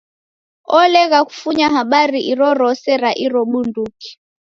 Olegha kufunya habari irorose ra iro bunduki.